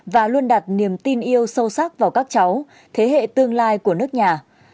và luôn đặt niềm tin yêu sâu sắc vào các cháu thế hệ tương lai của nước nhà